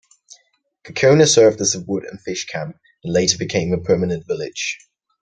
Gakona served as a wood and fish camp, and later became a permanent village.